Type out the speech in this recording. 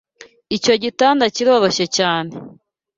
Icyo gitanda kiroroshye cyane.